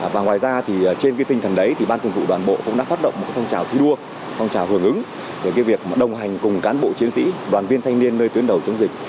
và ngoài ra thì trên cái tinh thần đấy thì ban thường vụ đoàn bộ cũng đã phát động một phong trào thi đua phong trào hưởng ứng việc đồng hành cùng cán bộ chiến sĩ đoàn viên thanh niên nơi tuyến đầu chống dịch